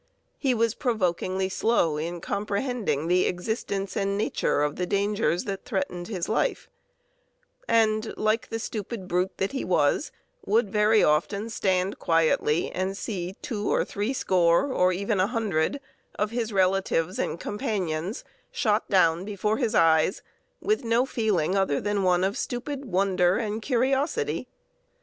He was provokingly slow in comprehending the existence and nature of the dangers that threatened his life, and, like the stupid brute that he was, would very often stand quietly and see two or three score, or even a hundred, of his relatives and companions shot down before his eyes, with no other feeling than one of stupid wonder and curiosity.